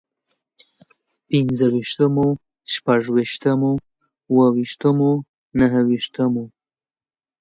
پنځه ويشتمو، شپږ ويشتمو، اووه ويشتمو، نهه ويشتمو